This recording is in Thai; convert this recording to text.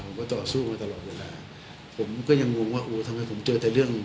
ต่อสู้มาตลอดเวลาผมก็ยังงงว่าโอ้ทำไมผมเจอแต่เรื่อง